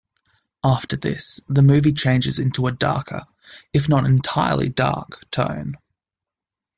After this, the movie changes into a darker, if not entirely dark, tone.